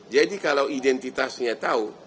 jadi kalau identitasnya tahu